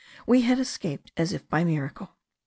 We had escaped as if by miracle.